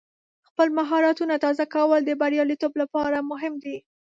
خپل مهارتونه تازه کول د بریالیتوب لپاره مهم دی.